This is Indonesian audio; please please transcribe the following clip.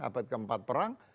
abad keempat perang